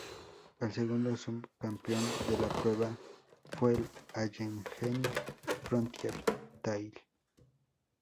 El segundo subcampeón de la prueba fue el "Allegheny Frontier Trail".